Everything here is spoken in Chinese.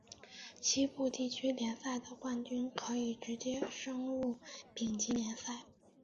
西部地区联赛的冠军可以直接升入丙级联赛。